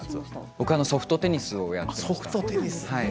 僕はソフトテニスをやっていました。